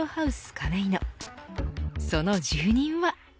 亀井野その住人は。